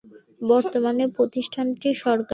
বর্তমানে প্রতিষ্ঠানটি সরকারি।